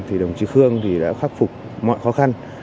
thì đồng chí khương thì đã khắc phục mọi khó khăn